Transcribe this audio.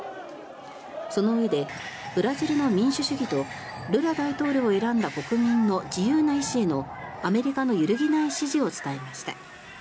そのうえでブラジルの民主主義とルラ大統領を選んだ国民の自由な意思へのアメリカの揺るぎない支持を伝えました。